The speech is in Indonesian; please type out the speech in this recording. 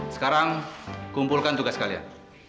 sekarang kumpulkan tugas kalian